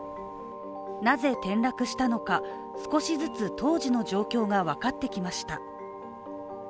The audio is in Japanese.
なぜ転落したのか、少しずつ当時の状況が分かってきました。